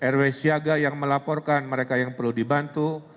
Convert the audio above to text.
rw siaga yang melaporkan mereka yang perlu dibantu